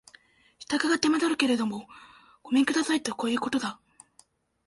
支度が手間取るけれどもごめん下さいとこういうことだ